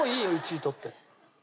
１位取って。